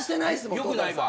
よくないわ。